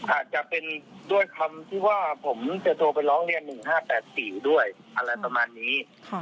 อาจจะเป็นด้วยคำที่ว่าผมจะโทรไปร้องเรียน๑๕๘๔ด้วยอะไรประมาณนี้